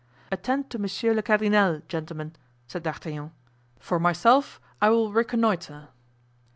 "Attend to monsieur le cardinal, gentlemen," said D'Artagnan; "for myself, I will reconnoitre."